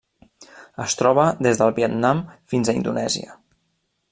Es troba des del Vietnam fins a Indonèsia.